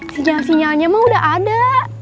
sinyal sinyalnya mah udah ada